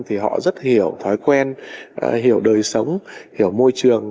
thì họ rất hiểu thói quen hiểu đời sống hiểu môi trường